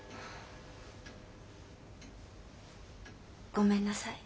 ごめんなさい。